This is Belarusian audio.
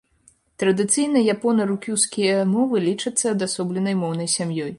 Традыцыйна япона-рукюскія мовы лічацца адасобленай моўнай сям'ёй.